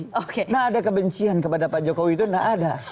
nggak ada kebencian kepada pak jokowi itu nggak ada